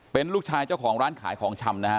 เป็นลูกชายเจ้าของร้านขายของชำนะฮะ